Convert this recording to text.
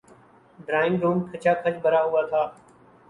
Drawing room کھچا کھچ بھرا ہوا تھا۔